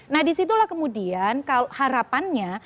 nah disitulah kemudian harapannya